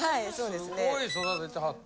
すごい育ててはって。